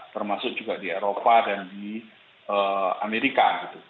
termasuk juga di eropa dan di amerika